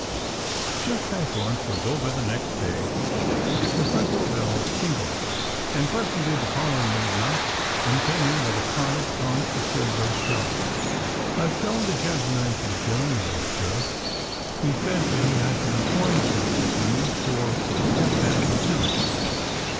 Just as lunch was over the next day the front door bell tingled, and presently the parlour maid knocked, and came in with a card on a silver salver: "I have shown the gentleman into the drawing room, sir. He says that he has an appointment with you for half past two."